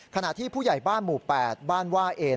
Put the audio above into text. ขณะที่ผู้ใหญ่บ้านหมู่๘บ้านว่าเอน